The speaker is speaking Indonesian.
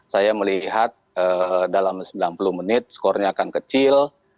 saya melihat dalam sembilan puluh menit skornya akan kecil